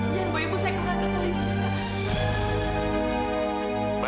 jangan bawa ibu saya ke kantor polisi pak